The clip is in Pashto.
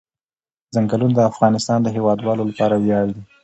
ځنګلونه د افغانستان د هیوادوالو لپاره ویاړ دی.